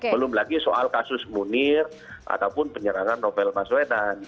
belum lagi soal kasus munir ataupun penyerangan nobel mas wenan